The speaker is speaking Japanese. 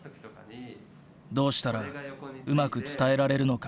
どうしたらうまく伝えられるのか。